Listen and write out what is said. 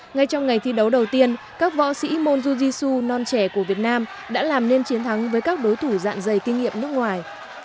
ngay trong ngày thi đấu đầu tiên các võ sĩ monzuji su non trẻ của việt nam đã làm nên chiến thắng với các đối thủ dạng dày kinh nghiệm nước ngoài